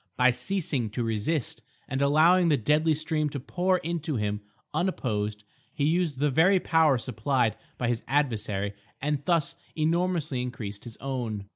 By ceasing to resist, and allowing the deadly stream to pour into him unopposed, he used the very power supplied by his adversary and thus enormously increased his own.